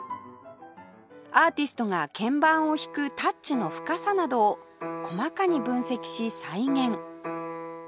アーティストが鍵盤を弾くタッチの深さなどを細かに分析し再現